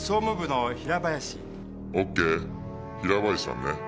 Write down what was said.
「オッケー平林さんね。